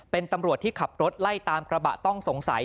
เป็นตำรวจที่ขับรถไล่ตามกระบะต้องสงสัย